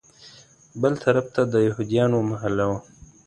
بل طرف ته د یهودیانو محله وه.